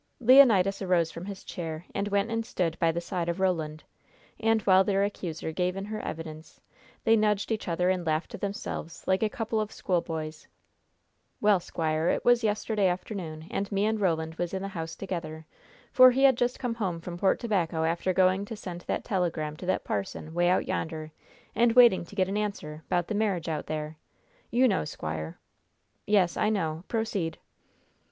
Leonidas arose from his chair, and went and stood by the side of Roland, and while their accuser gave in her evidence they nudged each other and laughed to themselves like a couple of schoolboys. "Well, squire, it was yesterday afternoon, and me and Roland was in the house together, for he had just come home from Port Tobacco after going to send that telegram to that parson 'way out yonder and waiting to get an answer 'bout the marriage out there. You know, squire." "Yes, I know. Proceed."